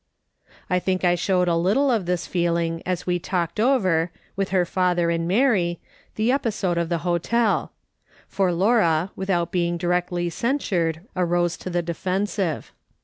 I think I showed a little of this feeling as we talked over, with her father and Mary, the episode of the hotel ; for Laura, without being directly censured, arose to the defensive.